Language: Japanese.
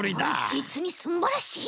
じつにすんばらしい。